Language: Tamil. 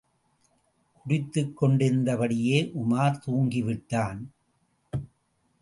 குடித்துக் கொண்டிருந்தபடியே உமார் தூங்கிவிட்டான்.